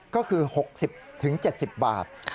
ก็คือ๖๐๗๐บาท